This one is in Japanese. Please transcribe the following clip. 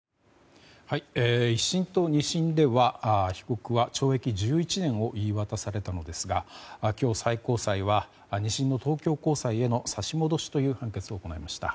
１審と２審では被告は懲役１１年を言い渡されたのですが今日、最高裁は２審の東京高裁への差し戻しという判決を行いました。